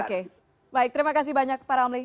oke baik terima kasih banyak pak ramli